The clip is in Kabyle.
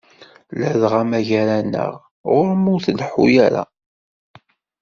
Ladɣa ma gar-aneɣ ɣur-m ur leḥḥu ara.